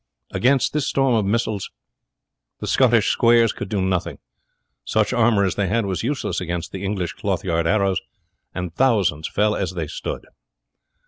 Against this storm of missiles the Scottish squares could do nothing. Such armour as they had was useless against the English clothyard arrows, and thousands fell as they stood.